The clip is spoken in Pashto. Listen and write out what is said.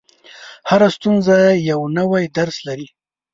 • هره ستونزه یو نوی درس لري.